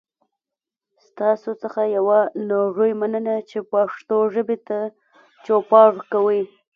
ستاسو څخه یوه نړۍ مننه چې پښتو ژبې ته چوپړ کوئ.